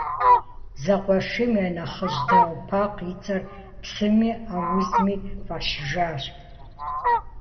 Зэкъуэшийм я нэхъыжь Дау Пакъ и цӏэр псыми аузми фӏащыжащ.